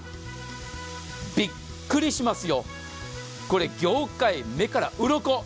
びっくりしますよ、これ、業界、目からウロコ。